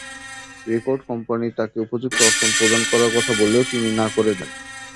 Recording company তাকে উপযুক্ত অর্থ প্রদান করার কথা বললেও, তিনি না করে দেন।